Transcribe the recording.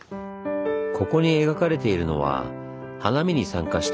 ここに描かれているのは花見に参加した武将たち。